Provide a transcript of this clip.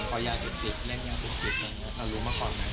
พ่อยาเสพติดเล่นยาเสพติดเรารู้มาก่อนไหม